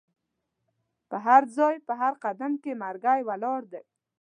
په هرځای په هر قدم مرګی ولاړ دی